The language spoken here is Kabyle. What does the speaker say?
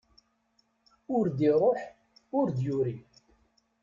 Ur d-iruḥ ur d-yuri.